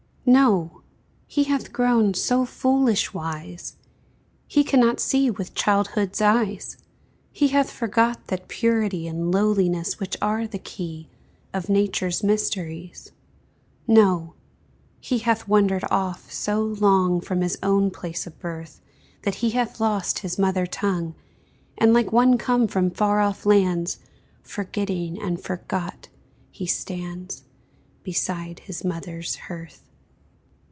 No; he hath grown so foolish wise He cannot see with childhood's eyes; He hath forgot that purity And lowliness which are the key Of Nature's mysteries; No; he hath wandered off so long From his own place of birth, That he hath lost his mother tongue, And, like one come from far off lands, Forgetting and forgot, he stands Beside his mother's hearth.